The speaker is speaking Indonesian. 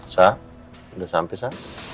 sa udah sampai sa